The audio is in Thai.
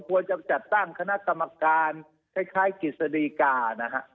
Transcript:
ควรจะจัดตั้งคณะกรรมการคล้ายกฤษฎีกานะฮะ